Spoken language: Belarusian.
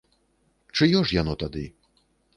Чыё ж яно тады?